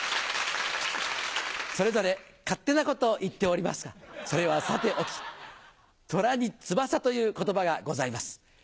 それぞれ勝手なことを言っておりますがそれはさておき「虎に翼」という言葉がございます。